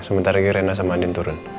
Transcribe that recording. sementara gerindra sama andin turun